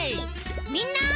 みんな。